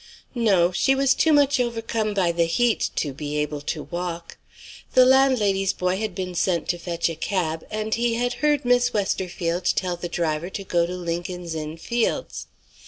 No: she was too much overcome by the heat to be able to walk. The landlady's boy had been sent to fetch a cab, and he had heard Miss Westerfield tell the driver to go to Lincoln's Inn Fields.